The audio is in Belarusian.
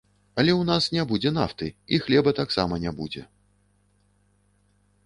Але ў нас не будзе нафты, і хлеба таксама не будзе.